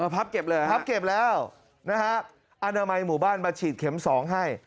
พับเก็บแล้วนะครับอนามัยหมู่บ้านมาฉีดเข็มสองให้